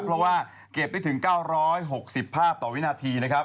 เพราะว่าเก็บได้ถึง๙๖๐ภาพต่อวินาทีนะครับ